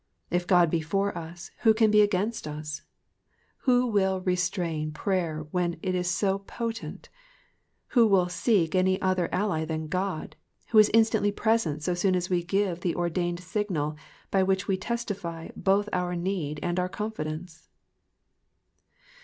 *' If God be for us, who can be against us ?" Who will restrain prayer when it is so potent ? Who will seek any other ally than God, who is instantly present so soon as we give the ordained signal, by which we testify both our need and our confidence